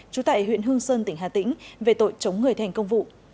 trú tại huyện hương sơn tỉnh hà tĩnh về tội chống người thành công vụ